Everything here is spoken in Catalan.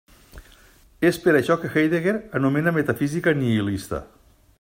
És per això que Heidegger anomena metafísica nihilista.